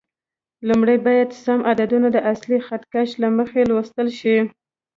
لومړی باید سم عددونه د اصلي خط کش له مخې لوستل شي.